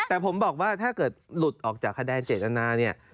แต่ผมบอกว่าถ้าเกิดหลุดออกจากคะแนนเจตนาเนี่ย